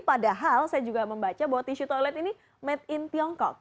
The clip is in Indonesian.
padahal saya juga membaca bahwa tisu toilet ini made in tiongkok